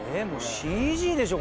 ＣＧでしょ